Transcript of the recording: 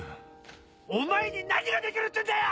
お前に何ができるってんだよ！